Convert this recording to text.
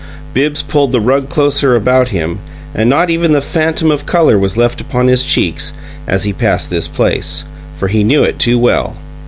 Bibbs pulled the rug closer about him, and not even the phantom of color was left upon his cheeks as he passed this place, for he knew it too well.